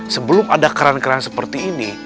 sebelum ada keran keran seperti ini